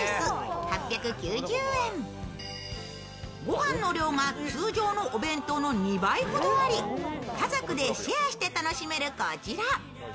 御飯の量が通常のお弁当の２倍ほどあり、家族でシェアして楽しめるこちら。